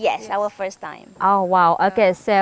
ya pertama kali kami ke sini